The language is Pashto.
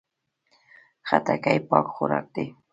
خټکی پاک خوراک دی.